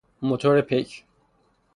موتورپیک